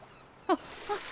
あっあっ。